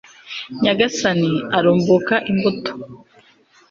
nyagasani, arumbuka imbuto